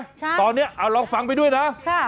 ใช่ครับตอนนี้ลองฟังไปด้วยนะ